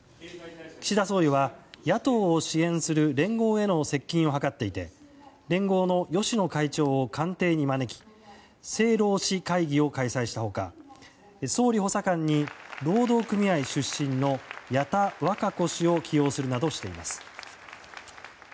岸田総理は野党を支援する連合への接近を図っていて連合の芳野会長を官邸に招き政労使会議を開催した他総理補佐官に労働組合出身の矢田稚子氏を起用するなどしています。